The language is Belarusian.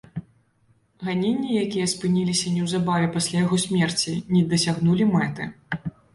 Ганенні, якія спыніліся неўзабаве пасля яго смерці, не дасягнулі мэты.